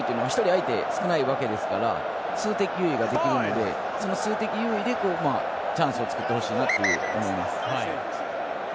相手、少ないわけですから数的優位ができるわけですからその数的優位でチャンスを作ってほしいなと思います。